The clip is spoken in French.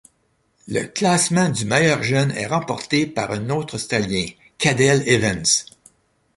Le classement du meilleur jeune est remporté par un autre Australien : Cadel Evans.